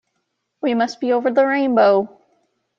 We must be over the rainbow!